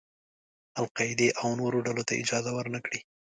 القاعدې او نورو ډلو ته اجازه ور نه کړي.